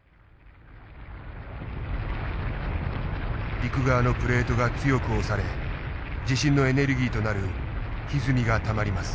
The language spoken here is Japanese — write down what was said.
陸側のプレートが強く押され地震のエネルギーとなるひずみがたまります。